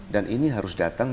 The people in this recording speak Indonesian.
dan ini harus datang